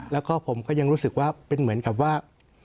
แล้วก็ผมก็ยังรู้สึกว่าเป็นเหมือนกับว่า